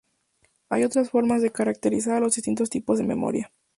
Hay otras formas de caracterizar a los distintos tipos de memoria.